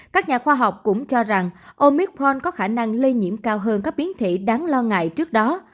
các nhà khoa học cũng cho rằng omicron có khả năng lây nhiễm cao hơn các biến thể đáng lo ngại trước đó